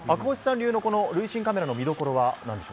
流の塁審カメラの見どころはなんでしょう？